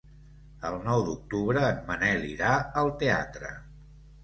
El nou d'octubre en Manel irà al teatre.